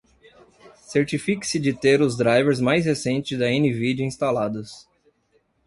Certifique-se de ter os drivers mais recentes da Nvidia instalados.